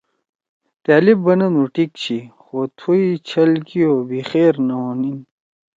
طألب بنَدُو: ”ٹِک چھی! خو تھوئی چھل کیِو بھی خیر نہ ہونیِن۔“